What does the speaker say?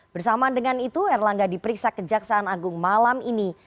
bersama dengan itu erlangga diperiksa kejaksaan agung malam ini